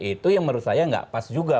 itu yang menurut saya nggak pas juga